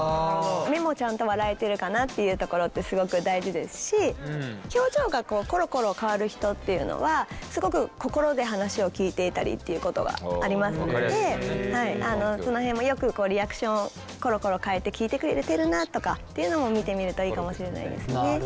目もちゃんと笑えてるかなっていうところってすごく大事ですし表情がコロコロ変わる人っていうのはすごく心で話を聞いていたりっていうことがありますのでその辺もよくリアクションコロコロ変えて聞いてくれてるなとかっていうのも見てみるといいかもしれないですね。